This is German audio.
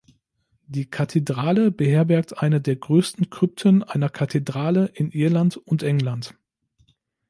Die Kathedrale beherbergt eine der größten Krypten einer Kathedrale in Irland und England.